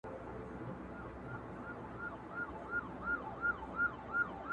چي زوړ یار مي له اغیار سره خمسور سو!!